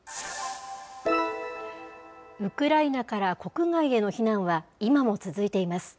ウクライナから国外への避難は今も続いています。